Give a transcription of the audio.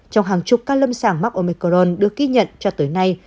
trong hàng chục ca lâm sàng mắc omicron được ghi nhận cho tới nay